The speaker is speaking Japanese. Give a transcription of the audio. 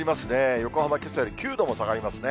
横浜、けさより９度も下がりますね。